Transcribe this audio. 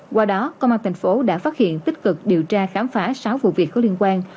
qua đó công an thành phố đã phát hiện tích cực điều tra khám phá sáu vụ việc có liên quan